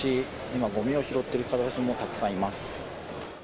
今、ゴミを拾っている方たちもたくさんいます。